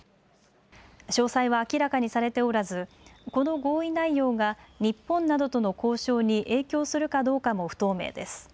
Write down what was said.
詳細は明らかにされておらずこの合意内容が日本などとの交渉に影響するかどうかも不透明です。